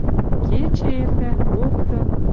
Кечӹ эртӓ, кокты —